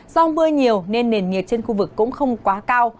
do mưa nhiều nên nền nhiệt trên khu vực cũng không quá cao